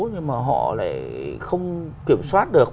nhưng mà họ lại không kiểm soát được